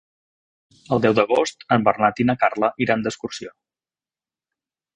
El deu d'agost en Bernat i na Carla iran d'excursió.